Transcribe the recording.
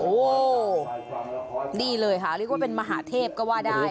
โอ้โหนี่เลยค่ะเรียกว่าเป็นมหาเทพก็ว่าได้